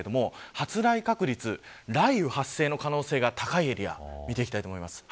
発雷確率、雷雨発生の可能性が高いエリアを見ていきます。